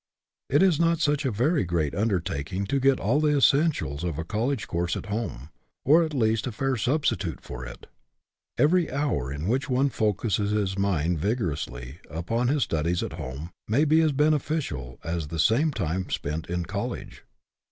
It is not such a very great undertaking to get all the essentials of a college course at home, or at least a fair substitute for it. Every hour in which one focuses his mind vigorously up on his studies at home may be as beneficial as the same time spent in college.